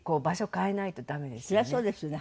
そりゃそうですね。